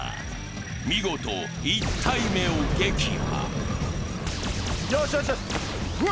見事、１体目を撃破。